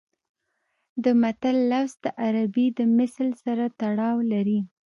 د متل لفظ د عربي د مثل سره تړاو لري